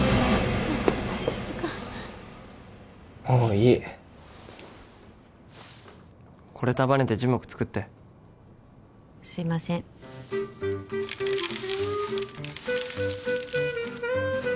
まあ大丈夫かもういいこれ束ねて樹木作ってすいませんね